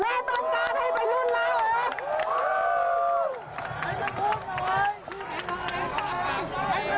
ให้มันพูดหน่อย